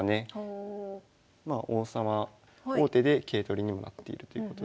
まあ王様王手で桂取りにもなっているということで。